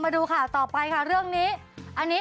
พอมดูข่าวต่อไปเรื่องนี้